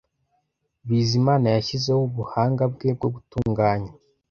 Bizimana yashyizeho ubuhanga bwe bwo gutunganya